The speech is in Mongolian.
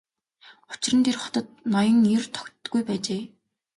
Учир нь тэр хотод ноён ер тогтдоггүй байжээ.